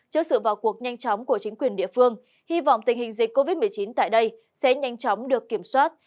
trước sự vào cuộc nhanh chóng của chính quyền địa phương hy vọng tình hình dịch covid một mươi chín tại đây sẽ nhanh chóng được kiểm soát